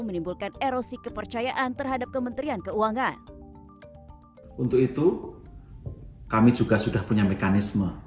menimbulkan erosi kepercayaan terhadap kementerian keuangan untuk itu kami juga sudah punya mekanisme